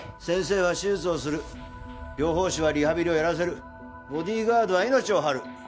先生は手術をする療法士はリハビリをやらせるボディーガードは命を張る。